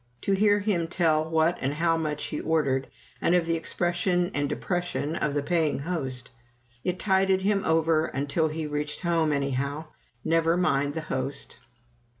To hear him tell what and how much he ordered, and of the expression and depression of the paying host! It tided him over until he reached home, anyhow never mind the host.